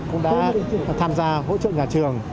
cũng đã tham gia hỗ trợ nhà trường